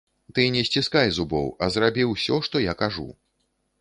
Ты не сціскай зубоў, а зрабі ўсё, што я кажу.